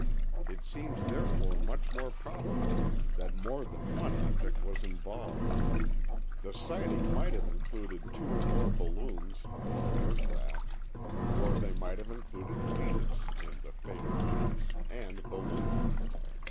It seems therefore much more probable that more than one object was involved. The sighting might have included two or more balloons (or aircraft) or they might have included Venus (in the fatal chase) and balloons.